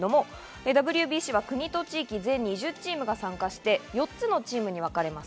ＷＢＣは国と地域、全２０チームが参加して４つのチームにわかれます。